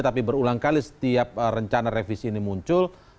tapi berulang kali setiap rencana revisi ini muncul